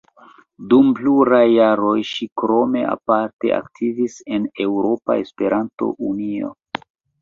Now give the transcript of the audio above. Dum pluraj jaroj ŝi krome aparte aktivis en Eŭropa Esperanto-Unio.